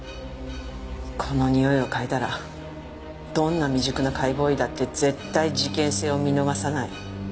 このにおいを嗅いだらどんな未熟な解剖医だって絶対事件性を見逃さない。